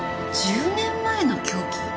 １０年前の凶器！？